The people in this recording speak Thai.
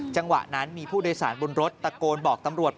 จังหวะนั้นมีผู้โดยสารบนรถตะโกนบอกตำรวจ